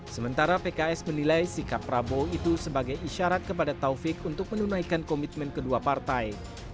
sementara pks menilai sikap prabowo itu sebagai isyarat kepada taufik untuk menunaikan komitmen kedua partai